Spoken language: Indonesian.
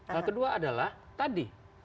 hal kedua adalah tadi